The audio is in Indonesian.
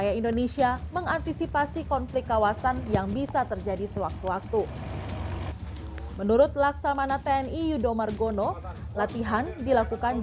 tidak pernah dipertahankan